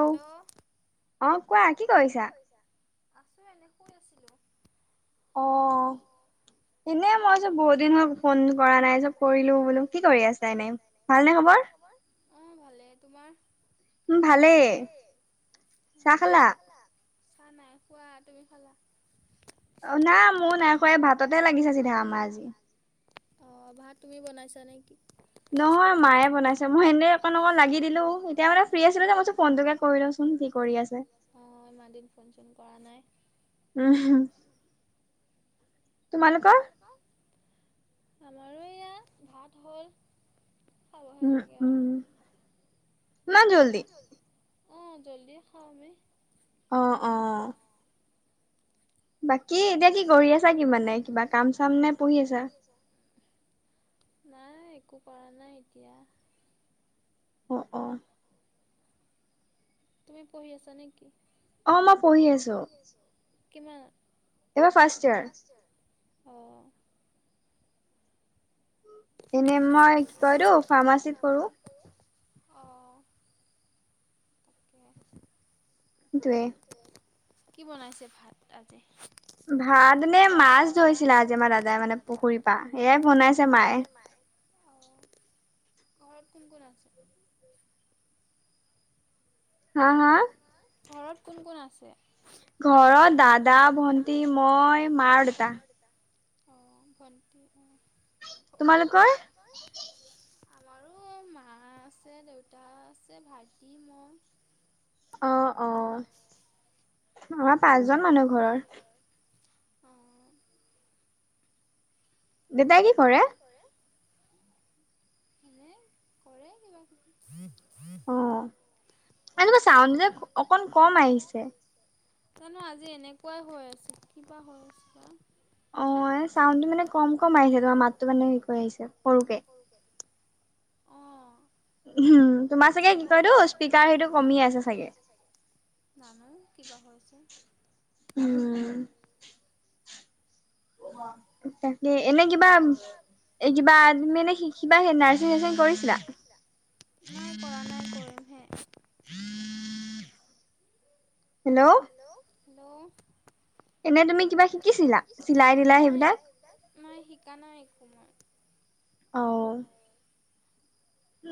Hello অ কোৱা কি কৰিছা? আছো এনে শুই আছিলো। অ, এনে মই বহুত দিন হল ফোন কৰা নাই চ কৰিলো বোলো, কি কৰি আছা এনে ভালনে খবৰ? খবৰ অ ভালে, তোমাৰ? উম ভালেই, চাহ খালা? খোৱা নাই খোৱা তুমি খালা? অ নাই মইও নাই খোৱা, ভাততে লাগিছে চিধা আমাৰ আজি। অ ভাত তুমি বনাইছা নে কি? নহয় মায়ে বনাইছে মই এনে অকণ অকণ লাগি দিলো, এতিয়া মানে ফ্ৰী আছিলো যে মই ফোনটোকে কৰি লওঁচোন ঠিক কৰি আছে। অঁ ইমান দিন ফোন চোন কৰা নাই। উম। তোমালোকৰ? আমাৰো এয়া ভাত হ'ল। খাবহে লাগে আৰু। ইমান জল্দি? অ জল্ডিয়ে খাওঁ আমি। অ অ। বাকী এতিয়া কি কৰি আছা কি মানে কিবা কাম চাম নে পঢ়ি আছা? নাই একো কৰা নাই এতিয়া। অ অ। তুমি পঢ়ি আছা নেকি? অ মই পঢ় আছো। কিমানত? মই ফাৰ্ষ্ট ইয়াৰ। অ। এনেই মই কি কয়তো ফাৰ্মাচীত কৰো। অঁ। এইয়া। টোৱে। কি বনাইছে ভাত আজি? ভাত মানে মাছ ধৰিছিল আজি আমাৰ দাদাই মানে পুখুৰীৰ পৰা, সেয়াই বনাইছে মায়ে। অঁ, ঘৰত কোন কোন আছে? হা' হা'? ঘৰত কোন কোন আছে? ঘৰত দাদা ভন্টি মই মা আৰু দেউতা। অঁ ভণ্টি অ। তোমালোকৰ? আমাৰো মা আছে দেউতা আছে ভাইটি মই। অ', অ'। আমাৰ পাঁচজন থাকে ঘৰত, অ'। দেউতাই কি কৰে? এনেই, কৰে কিবা কিবি। [unintelligible] চাউণ্ড যে অকন কম আহিছে? জানো আজি এনেকুৱাই হৈ আছে, কিবা হৈ আছে বা? অ' এই চাউণ্ডটো মানে কম কম আহি আছে, তোমাৰ মাততো মানে হেৰি কৈ আহিছে সৰুকে। অঁ হুম বুজিয়ে পোৱা নাই স্পিকাৰ সেইটো কমি আছে চাগে জানো কিবা হৈছে? উম অ মা এ এনে কিবা এ কিবা তুমি এনে কিবা নাৰ্ছিং চাৰ্চিং কৰিছিলা? নাই কৰা নাই কৰিম হে। হেল্ল হেল্ল 'হেল্ল' এনে তুমি কিবা শিকিছিলা? নাই চিলাই টিলাই সেইবিলাক নাই শিকা নাই একো মই। অ'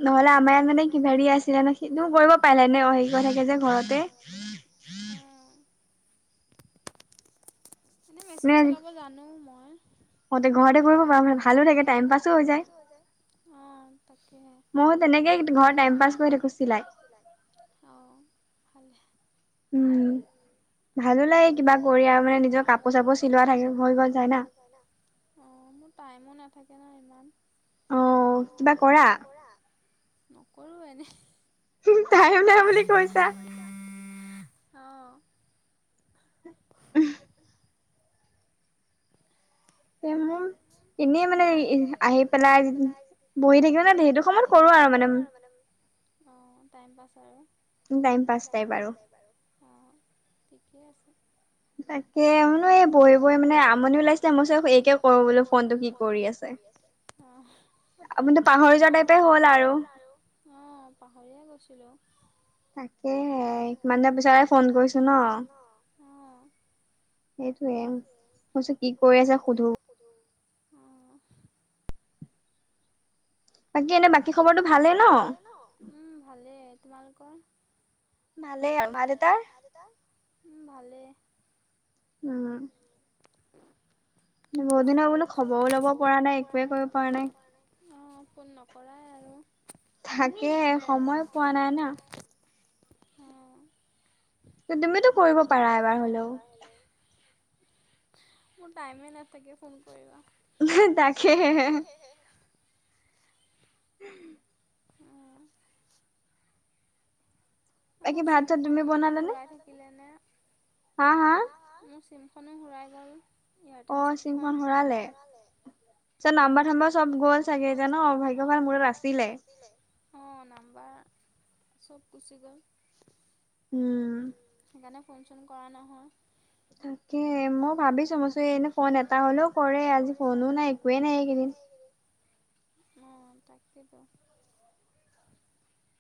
নহ'লে আমাৰ ইয়াত মানে কিবা হেৰি আছিলে ন, সিটো কৰিব পাৰিলে হয়, এনেই অ' হেৰি কৰি থাকে যে ঘৰতে। অ' এনে মেচিন চলাব জানো মই। ঘৰতে ঘৰতে কৰিব পাৰো ভালো লাগে টাইম পাছ ও হৈ যায়, অ' তাকেহে মইও তেনেকেই ঘৰতে টাইম পাছ কৰি থাকো চিলাই। চিলাই। অঁ ভালে উম, ভালো লাগে কিবা কৰি আৰু মানে নিজৰ কাপোৰ চাপোৰ চিলোৱা থাকে হৈ গৈ যায় না। হয় না। অঁ মোৰ টাইমো নাথাকে ন ইমান। অঁ কিবা কৰা? নকৰোঁ এনে অ' উহ এনেই মানে এই আহি পেলাই বহি থাকি মানে হেইটো সময়ত কৰো আৰু মানে অ' টাইম পাছ হয় আৰু কি টাইম পাছ হয় বাৰু অঁ ঠিকে আছে। তাক সেই মই বোলো এনেই বহি বহি মানে আমনিও লাগিছে, মই ভাবিচো এইকে কৰো বোলো ফোনটো, কি কৰি আছে? অ', আপুনিতো পাহৰি যোৱা টাইপে হ'ল আৰু অ', পাহৰিয়ে গৈছিলো। তাকেহে ইমান দিনৰ পিছ ফোন কৰিছো ন। সেইটোয়ে মই কৈছো কি কৰি আছে সোধু। সুধু অ' বাকী এনে বাকী খবৰটো ভালেই ন। উম ভালেই তোমালোকৰ ভালেই আৰু মা দেউতাৰ উম ভালে উম [unintelligible] বহুদিন হল বোলো খবৰো ল'ব পৰা নাই একোৱে কৰিব পৰা নাই। অ ফোন নকৰাই আৰু তাকে সময় পোৱা নাই। অ ত তুমিতো কৰিব পাৰা এবাৰ হলেও। মোৰ টাইম নাথাকে ফোন কৰিব। তাকেহে হে উম। উম। মোৰ চিমখনো মানে হুৰাই থাকিলে নে। হা হা। হা মোৰ চিমখনো হেৰাই গল এয়াৰটেল চিমখন। অ চিমখন হেৰালে অ পিছে নাম্বাৰ চাম্বাৰ চব গ'ল চাগে এতিয়া ন ভাগ্য ভাল মোৰ লগত আছিলে। অ নাম্বাৰ চব গুচি গ'ল। উম। সেইকাৰণে ফোন চোন কৰা নহয়। তাকে মই ভাবিছো মইচো এনে ফোন এটা হলেও কৰে আজি ফোনো নাই একোৱেই নাই এইকেইদিন। [unintelligible] অ তাকেতো।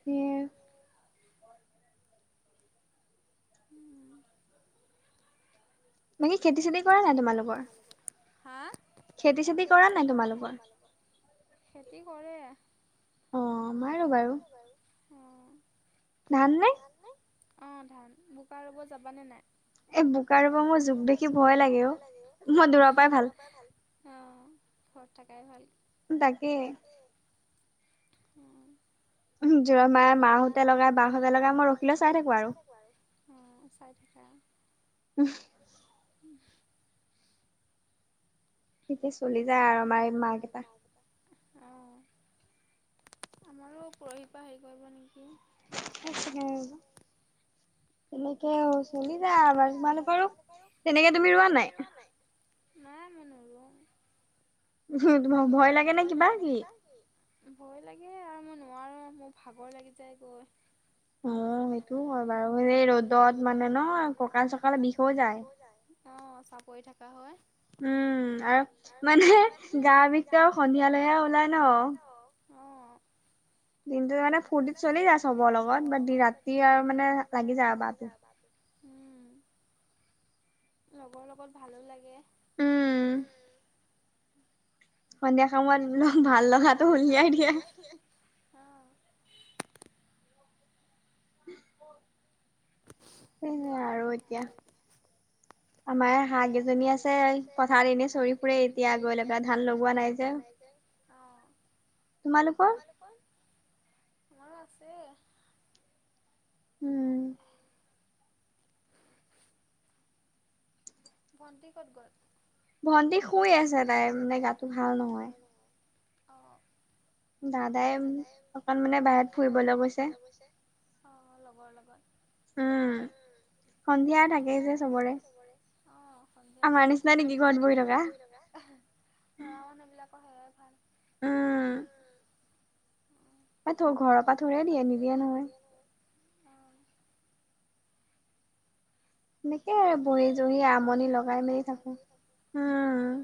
সেয়ে। উম। এনেই খেতি চেতি কৰে নাই তোমালোকৰ হা খেতি চেতি কৰে নাই তোমালোকৰ খেতি কৰে। অ আমাৰো বাৰু। ধান ধান নে অ' ধান বোকা ৰুব যাবানে নাই। এই বোকা ৰুব মোৰ জোক দেখি ভয় লাগে অ মই দূৰৰ পৰাই ভাল। অ ঘৰত থকাই ভাল। তাকে। যোৱা মায়ে মাহঁতে লগাই বাহঁতে লগাই মই ৰখি পেলাই চাই থাকো আৰু। উম চাই থাকা উম। উম। সেনেকেই চলি যায় আৰু মাই মা ঘৰ পৰা অ আমাৰো পৰহি পৰা হেৰি কৰিব নেকি। [unintelligible] তাকে অ চলি যায় আমাৰ তোমালোকৰো তেনেকে তুমি ৰোৱা নাই। নাই মই নুৰোও ভ ভয় লাগে নে কিবা কি। ভয় লাগে আৰু মই নোৱাৰোঁ মোৰ ভাগৰ লাগি যায় গৈ। অ সেইটো হ'য় বাৰু এই ৰ'দত মানে ন ককাল চকাল বিষ হৈ যায় অ চাপৰি থকা হয় উম আৰু মানে গা বিষটো সন্ধিয়ালৈহে ওলাই ন অ দিনটো মানে ফূৰ্তিত চলি যায় চবৰ লগত বাত ৰাতি আৰু মানে লাগি যায় আৰু গা বিষ গা বিষ উম লগৰ লগত ভালো লাগে উম সন্ধিয়া সময়ত বোলো ভাল লগাটো ওলিয়াই দিয়ে অ [unintelligible] সেইয়া আৰু এতিয়া আমাৰ হাঁহ কেইজনী আছে পথাৰ এনেই চৰি ফুৰে এতিয়া গৈ লৈ পেলাই ধান লগোৱা নাই যে তোমালোকৰ আমাৰো আছে। উম। ভণ্টি ক'ত গ'ল? ভন্তি শুই আছে তাই মানে গাটো ভাল নহয়। অ। দাদাই অকমান মানে বাহিৰত ফুৰিবলৈ গৈছে। অ লগৰ লগত? উম। সন্ধিয়া থাকে যে চবৰে, অ সন্ধিয়া যায় আমাৰ নিচিনা নিকি ঘৰত বহি থকা। ল'ৰা মানুহবিলাকৰ সেয়াই ভাল। উম। [unintelligible] দিয়ে নিদিয়ে নহয়। এনেকে বুহি জহি আমনি লগাই মেলি থাকো। উম। [inaudible]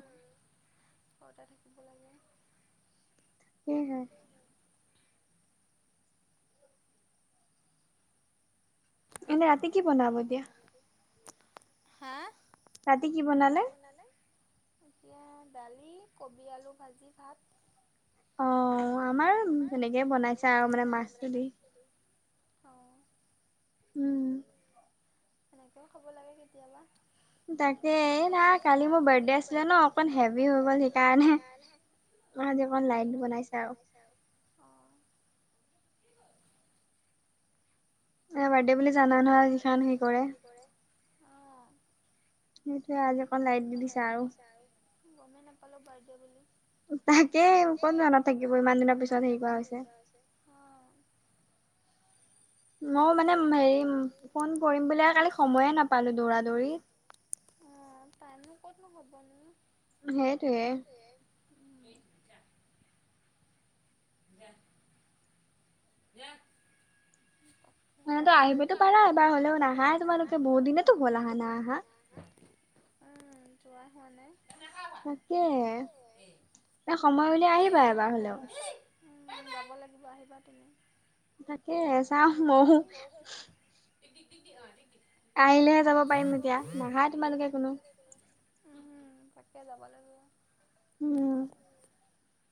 ঘৰতে থাকিব লাগে। কি কয়? এনে ৰাতি কি বনাব এতিয়া? হা? ৰাতি কি বনালে? এতিয়া দালি, কবি আলু ভাজি, ভাত। অ আমাৰ সেনেকেই বনাইছে আৰু মানে মাছখিনি দি। অ। উম। সেনেকেও খব লাগে কেতিয়াবা। তাকে এই না কালি মোৰ বাৰ্থডে আছিলে ন অকন হেভি হৈ গ'ল সেইকাৰণে অ আজি অকন লাইল বনাইছো আৰু অ। বাৰ্থডে বুলি জানা নহয় আজি চাম কি কৰে। অ আজি অকন লাইট দি আৰু গমে নাপালো বাৰ্থড বুলি। তাকে ক'ত মনত নাথাকিব ইমান দিনৰ পিছত হেৰি কৰা আছে। অ ম‌ই মানে হেৰি ফোন কৰিম বুলি কালি সময়ে নাপালো দৌৰা-দৌৰি। অ টাইমো ক'তনো হ'ব ন। সেইটোৱে। উম। [unintelligible] যা, যা আহিবতো পাৰা এবাৰ হ'লেও নাহাই তোমালোকে বহুত দিনতো হ'ল নাহা উম যোৱা হোৱা নাই। [unintelligible] উম যাব লাগিব আহিবা তুমি। তাকে। [unintelligible] [unintelligible] উম তাকে যাব লাগিব। উম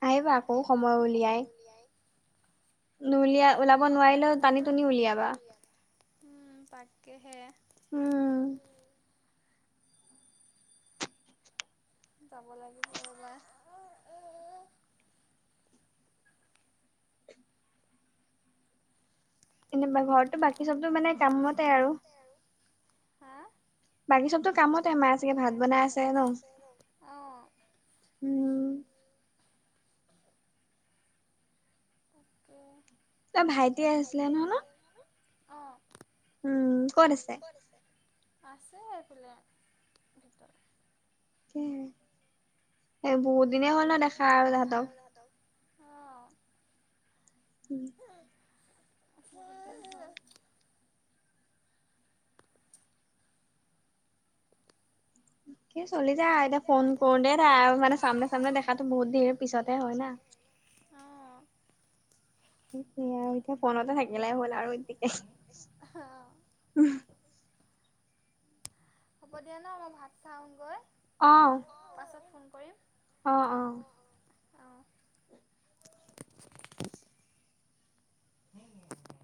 আহিবা আকৌ সময় উলিয়াই। অ উলিয়াই ওলাব নোৱাৰিলে টানি-টুনি উলিয়াম। উম তাকেহে যাব লাগিব ৰ'বা। এনো ঘৰতটো বাকী চবতটো মানে কামতে আৰু। বাকী চবতো কামতে মায়ে চাগে ভাত বনাই আছে ন? অ। তাকে, তোৰ ভাইটি আহিছিলে [unintelligible] অ। উম, ক'ত আছে? আছে এইফালে ভিতৰত। সে বহুত দিনে হ'ল নেদেখা তাহতক। তাহাঁতক। অ'। উম। [unintelligible] সেই চলি যায় এতিয়া ফোন কৰো তে তাই মানে চামনে চামনে দেখাতো বহুত দেৰি পিছতে হয় না। অ'। সেইয়া আৰু এতিয়া ফোনতে থাকিলে হ'ল আৰু এতিয়া উম। হ'ব দিয়া ন' মই ভাত খাও গৈ। অ'। পাছত ফোন কৰিম। অ', অ'। অ'। উম।